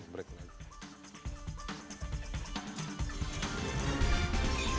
terima kasih pak dedy